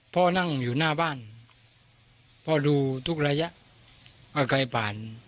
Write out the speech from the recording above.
พ่อนั่งอยู่หน้าบ้านพ่อดูทุกระยะว่าใครผ่าน